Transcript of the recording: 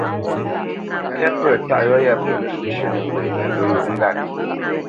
Kɛ́t pə̂ tâʼ yɔ̂ yâ pə nəshǔʼshʉ̂ nə́ ŋgwênə ndǔ yǒ ŋgât.